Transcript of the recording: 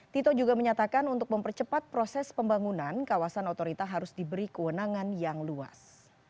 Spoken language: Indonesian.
tito juga menyatakan untuk mempercepat proses pembangunan kawasan otorita harus diberi kewenangan yang luas